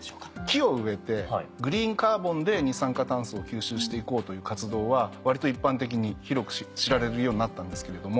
木を植えてグリーンカーボンで二酸化炭素を吸収していこうという活動は割と一般的に広く知られるようになったんですけれども。